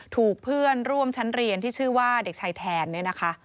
ถูกเพื่อนร่วมชั้นเรียนที่ชื่อว่าเด็กชายแทนเนี่ยนะคะ